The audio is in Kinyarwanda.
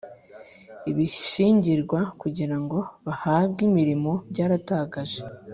Ibishingirwaho kugira ngo bahabwe imirimo byaratagaje